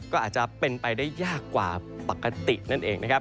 ก็อาจจะเป็นไปได้ยากกว่าปกตินั่นเองนะครับ